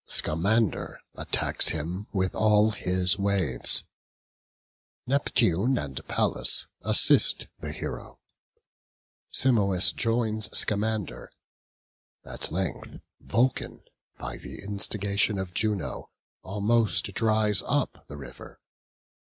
Scamander attacks him with all his waves; Neptune and Pallas assist the hero; Simois joins Scamander; at length Vulcan, by the instigation of Juno, almost dries up the river.